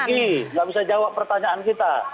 tidak bisa jawab pertanyaan kita